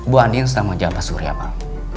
bu andin selama jawab pak surya pak